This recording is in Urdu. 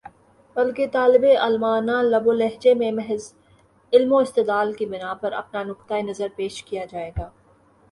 بلکہ طالبِ علمانہ لب و لہجے میں محض علم و استدلال کی بنا پر اپنا نقطۂ نظر پیش کیا جائے گا